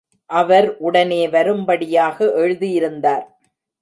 அவர் உடனே வரும்படியாக எழுதியிருந்தார்.